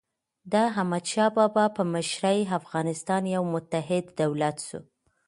د احمدشاه بابا په مشرۍ افغانستان یو متحد دولت سو.